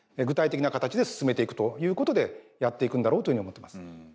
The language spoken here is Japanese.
具体的な形で進めていくということでやっていくんだろうというふうに思ってます。